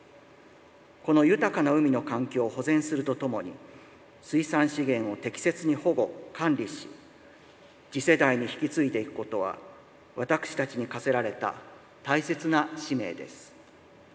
この豊かな海の環境を保全するとともに水産資源を適切に保護・管理し次世代に引き継いでいくことは私たちに課せられた大切な使命です。